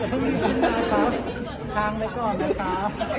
ขอบคุณภาพให้กับคุณผู้ฝ่าย